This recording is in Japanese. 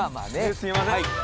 すいません。